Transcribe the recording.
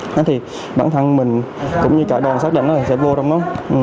thế thì bản thân mình cũng như cả đoàn xác định là sẽ vô trong đó